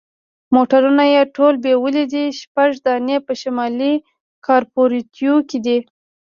موټرونه یې ټول بیولي دي، شپږ دانې په شمالي کارپوریتو کې دي.